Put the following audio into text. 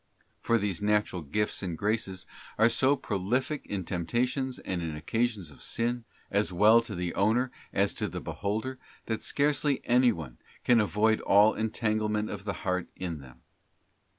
For these natural gifts and graces are so prolific in temptations and in occasions of sin, as well to the owner as to the beholder, that scarcely any one can avoid all entanglement of the heart in them.